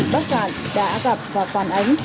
bác sản đã gặp và toàn ánh